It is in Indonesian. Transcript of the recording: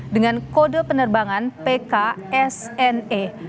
dengan kode penerbangan pksne